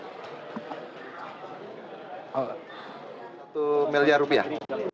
satu miliar rupiah